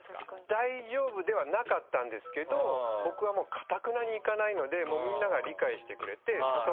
大丈夫ではなかったんですけど僕はもうかたくなに行かないのでみんなが理解してくれて。